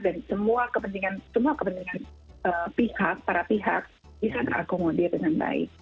dan semua kepentingan pihak para pihak bisa terakomodir dengan baik